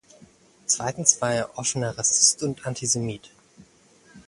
Zweitens war er offener Rassist und Antisemit.